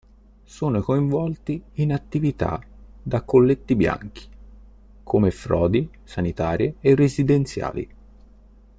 Sono coinvolti in attività da colletti bianchi, come frodi sanitarie e residenziali.